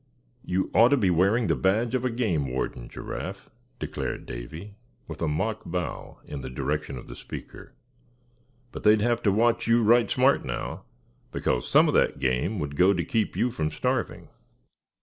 "You ought to be wearing the badge of a game warden, Giraffe," declared Davy, with a mock bow in the direction of the speaker; "but they'd have to watch you right smart now, because some of that game would go to keep you from starving."